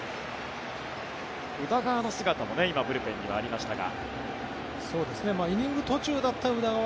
宇田川の姿も今、ブルペンにはありましたが。